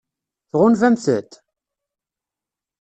Tɣunfamt-t?